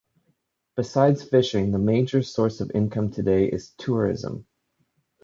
Besides fishing, the major source of income today is tourism.